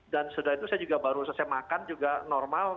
dan setelah itu saya juga baru saya makan juga normal